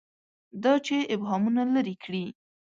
دا چې ابهامونه لري کړي.